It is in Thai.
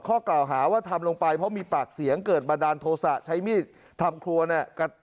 ข้อกล่าวหาว่าทำลงไปเพราะมีปากเสียงเกิดบันดาลโทษะใช้มีดทำครัวเนี่ย